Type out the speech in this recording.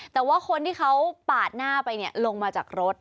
แต่ว่าคนที่เขาปาดหน้าไปลงมาจากรถ